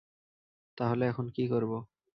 তাহলে এখন কি করব?